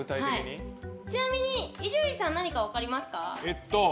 ちなみに、伊集院さん何か分かりますか？